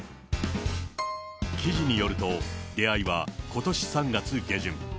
記事によると、出会いはことし３月下旬。